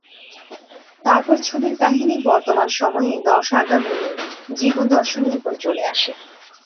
তারপর ছবির কাহিনী বর্তমান সময়ে দশ আজ্ঞা মেনে জীবন দর্শনের উপর চলে আসে।